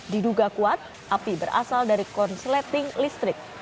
diduga kuat api berasal dari konsleting listrik